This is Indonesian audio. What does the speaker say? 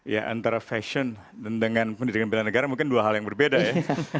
ya antara fashion dan dengan pendidikan bela negara mungkin dua hal yang berbeda ya